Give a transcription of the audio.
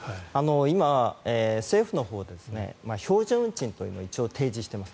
今、政府のほうで標準運賃というのを一応提示しています。